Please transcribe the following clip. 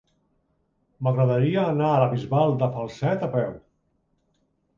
M'agradaria anar a la Bisbal de Falset a peu.